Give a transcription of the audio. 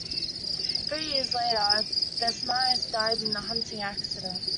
Three years later Desmares died in a hunting accident.